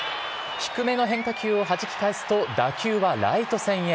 低めの変化球をはじき返すと、打球はライト線へ。